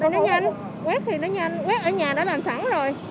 nó nhanh quét thì nó nhanh quét ở nhà đã làm sẵn rồi